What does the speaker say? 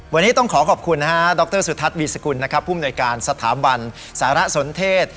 วันนี้ต้องขอขอบคุณนะฮะดรสุทัศนวีสกุลนะครับผู้มนวยการสถาบันสารสนเทศ